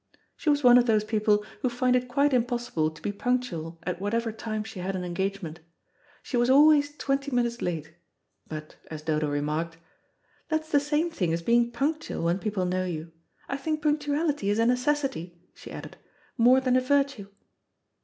She was one of those people who find it quite impossible to be punctual at whatever time she had an engagement. She was always twenty minutes late, but, as Dodo remarked, "That's the same thing as being punctual when people know you. I think punctuality is a necessity," she added, "more than a virtue."